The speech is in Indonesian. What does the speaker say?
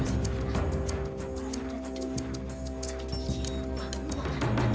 masih tidak itu